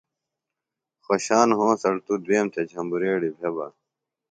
خوشان ہونسڑ توۡ دُوئیم تھےۡ جھبریڑی بھےۡ بہ۔